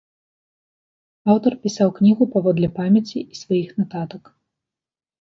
Аўтар пісаў кнігу паводле памяці і сваіх нататак.